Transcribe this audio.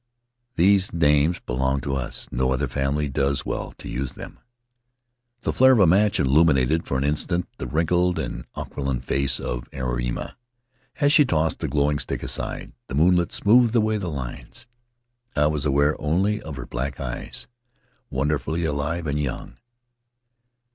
These names belong to us; no other family does well to use them." The flare of a match illuminated for an instant the wrinkled and aquiline face of Airima. As she tossed the glowing stick aside, the moonlight smoothed away the lines; I was aware only of her black eyes, wonder fully alive and young.